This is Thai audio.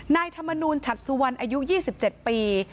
นายธรรมนูลฉัดสุวรรณอายุ๒๗ปี